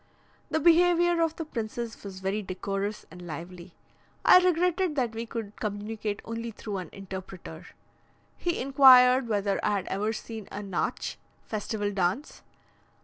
The behaviour of the princes was very decorous and lively. I regretted that we could communicate only through an interpreter. He inquired whether I had ever seen a Natsch (festival dance).